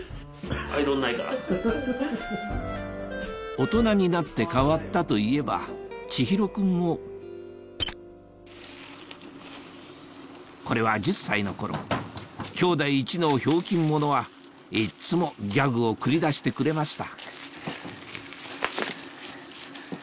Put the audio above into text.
大人になって変わったといえば智広君もこれは１０歳の頃きょうだいいちのひょうきん者はいっつもギャグを繰り出してくれました